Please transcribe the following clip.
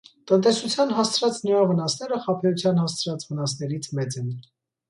Տնտեսությանը հասցրած նրա վնասները խաբեության հասցրած վնասներից մեծ են։